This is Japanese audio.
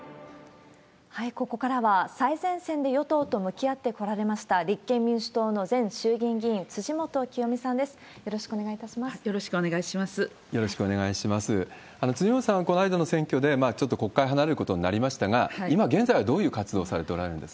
ここからは最前線で与党と向き合ってこられました立憲民主党の前衆議院議員、辻元清美さんです。